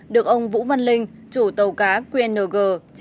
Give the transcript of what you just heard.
được ông vũ văn linh chủ tàu cá qng chín mươi nghìn bốn trăm một mươi sáu